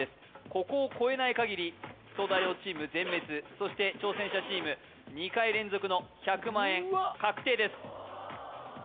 ここを越えない限り東大王チーム全滅そして挑戦者チーム２回連続の１００万円確定です